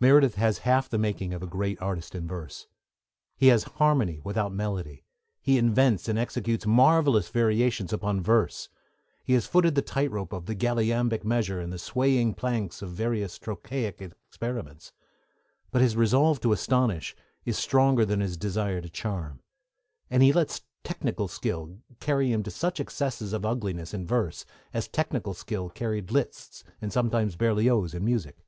Meredith has half the making of a great artist in verse. He has harmony without melody; he invents and executes marvellous variations upon verse; he has footed the tight rope of the galliambic measure and the swaying planks of various trochaic experiments; but his resolve to astonish is stronger than his desire to charm, and he lets technical skill carry him into such excesses of ugliness in verse as technical skill carried Liszt, and sometimes Berlioz, in music.